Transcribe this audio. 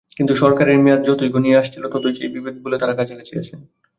কিন্তু সরকারের মেয়াদ যতই ঘনিয়ে আসছিল, ততই সেই বিভেদ ভুলে তাঁরা কাছাকাছি আসেন।